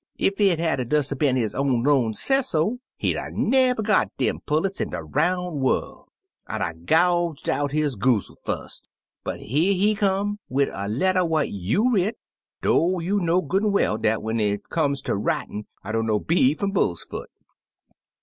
Ef it had 'a' des 'a' been his own 'lone sesso, he'd 'a' never got dem pullets in de roun' worl' — I 'd 'a' gouged out his goozle fust — but here he come wid a letter what you writ, dough you know'd good an' well dat when it comes ter writin' I dunno B fum Bull's Foot.'